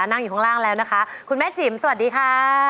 นั่งอยู่ข้างล่างแล้วนะคะคุณแม่จิ๋มสวัสดีค่ะ